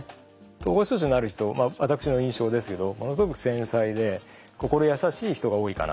統合失調症になる人まあ私の印象ですけどものすごく繊細で心優しい人が多いかなって思うんです。